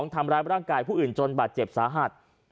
ทำร้ายร่างกายผู้อื่นจนบาดเจ็บสาหัส